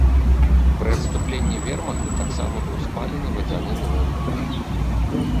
Пры адступленні вермахта таксама быў спалены вадзяны млын.